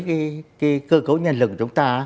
cái cơ cấu nhân lực của chúng ta